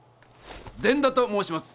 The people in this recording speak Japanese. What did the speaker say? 善田ともうします。